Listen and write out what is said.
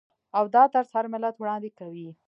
او دا طرز هر ملت وړاندې کوي.